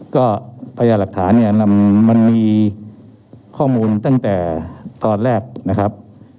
ก็พยายามหลักฐานเนี่ยมันมีข้อมูลตั้งแต่ตอนแรกนะครับ